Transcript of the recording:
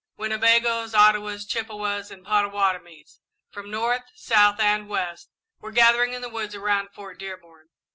Winnebagoes, Ottawas, Chippewas, and Pottawattomies, from north, south, and west, were gathering in the woods around Fort Dearborn.